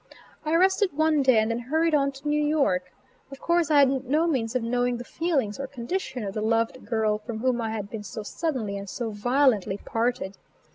I rested one day and then hurried on to New York. Of course, I had no means of knowing the feelings or condition of the loved girl from whom I had been so suddenly and so violently parted.